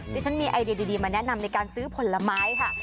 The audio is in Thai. ดิฉันมีไอเดียดีมาแนะนำในการซื้อผลไม้ค่ะ